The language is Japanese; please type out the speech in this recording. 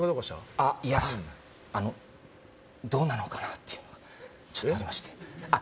あっいやあのどうなのかなっていうのがちょっとありましてあっ